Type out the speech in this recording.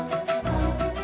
nih aku tidur